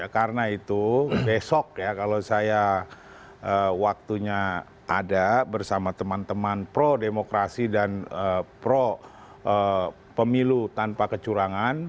karena itu besok ya kalau saya waktunya ada bersama teman teman pro demokrasi dan pro pemilu tanpa kecurangan